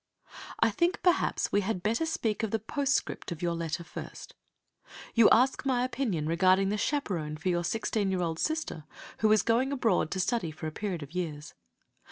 I think, perhaps, we had better speak of the postscript of your letter first. You ask my opinion regarding the chaperon for your sixteen year old sister, who is going abroad to study for a period of years.